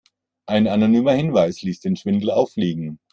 Ein anonymer Hinweis ließ den Schwindel auffliegen.